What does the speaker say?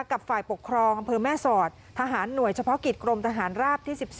กับฝ่ายปกครองอำเภอแม่สอดทหารหน่วยเฉพาะกิจกรมทหารราบที่๑๔